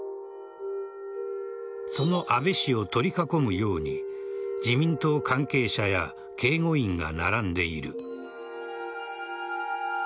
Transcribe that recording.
その安倍氏を取り囲むように自民党関係者や警護員が並んでいる。